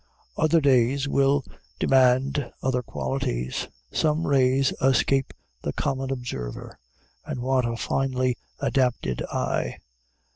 Other days will demand other qualities. Some rays escape the common observer, and want a finely adapted eye.